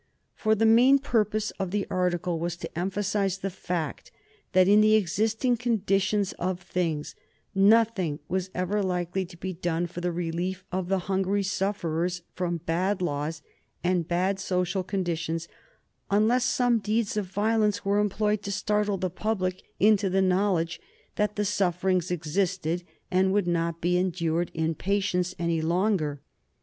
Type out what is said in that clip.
For the main purpose of the article was to emphasize the fact that, in the existing conditions of things, nothing was ever likely to be done for the relief of the hungry sufferers from bad laws and bad social conditions, unless some deeds of violence were employed to startle the public into the knowledge that the sufferings existed and would not be endured in patience any longer.